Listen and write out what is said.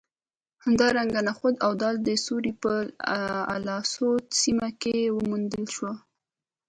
همدارنګه نخود او دال د سوریې په الاسود سیمه کې وموندل شول